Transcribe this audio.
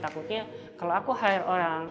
takutnya kalau aku hire orang